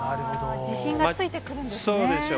自信がついてくるんですね。